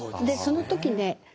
でその時ね